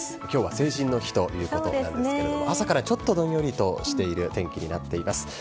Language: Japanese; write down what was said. きょうは成人の日ということなんですけれども、朝からちょっとどんよりとしている天気になっています。